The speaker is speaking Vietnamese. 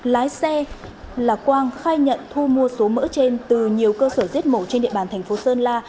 lái xe là quang khai nhận thu mua số mỡ trên từ nhiều cơ sở giết mổ trên địa bàn thành phố sơn la